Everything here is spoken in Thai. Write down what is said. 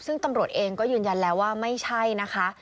ซึ่งตำรวจเองก็ยืนยันแล้วว่าไม่ใช่นะคะ